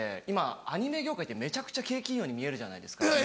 今アニメ業界ってめちゃくちゃ景気いいように見えるじゃないですか。